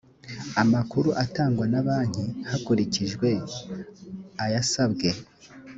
amakuru atangwa na banki hakurikijwe ayasabwe